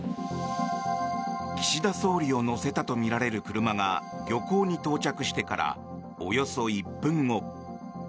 岸田総理を乗せたとみられる車が漁港に到着してからおよそ１分後。